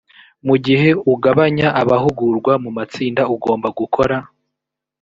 mu gihe ugabanya abahugurwa mu matsinda ugomba gukora